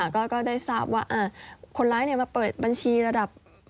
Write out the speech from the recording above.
ก็ได้ทราบว่าคนร้ายมาเปิดบัญชีระดับ